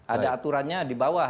ada aturannya di bawah